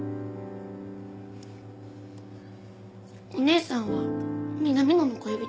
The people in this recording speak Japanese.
お姉さんは南野の恋人？